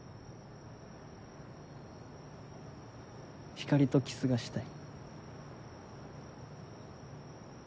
ひかりとキスがしたい。